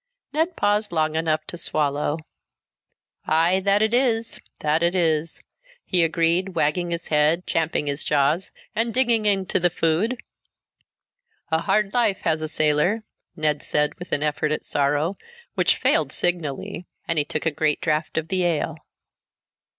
Ned paused long enough to swallow. "Aye, that it is, that it is!" he agreed, wagging his head, champing his jaws, and digging into the food. "A hard life, has a sailor," Ned said with an effort at sorrow, which failed signally, and he took a great draught of the ale.